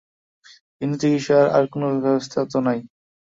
কিন্তু চিকিৎসার আর কোনো ব্যবস্থাও তো নাই।